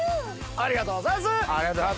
ありがとうございます。